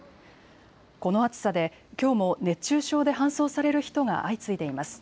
この暑さできょうも熱中症で搬送される人が相次いでいます。